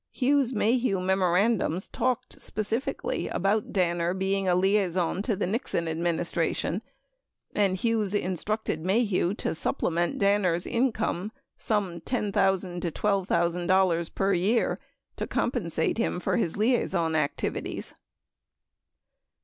Hughes Maheu memoran dums talked specifically about Danner being a liaison to the Nixon ad ministration, and Hughes instructed Maheu to supplement Danner's income some $10,000 $12,000 per year to compensate him for his liai son activities.